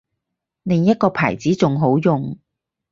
另一個牌子仲好用